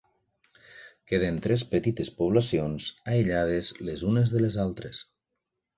Queden tres petites poblacions aïllades les unes de les altres.